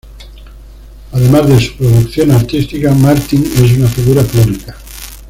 Además de su producción artística, Martin es una figura pública.